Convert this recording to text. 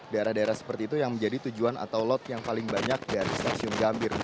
daerah daerah seperti itu yang menjadi tujuan atau lot yang paling banyak dari stasiun gambir